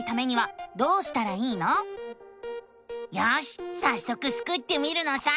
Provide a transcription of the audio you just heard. よしさっそくスクってみるのさ！